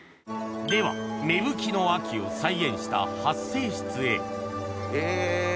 では芽吹きの秋を再現した発生室へえ！